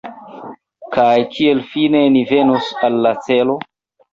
Kaj kiel fine ni venos al la celo?